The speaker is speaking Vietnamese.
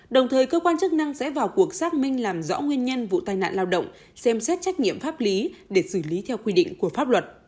đồng thời cơ quan chức năng sẽ vào cuộc xác minh làm rõ nguyên nhân vụ tai nạn lao động xem xét trách nhiệm pháp lý để xử lý theo quy định của pháp luật